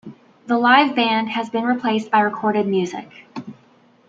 The live band has been replaced by recorded music.